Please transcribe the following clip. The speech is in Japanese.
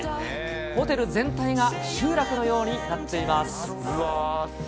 ホテル全体が集落のようになっています。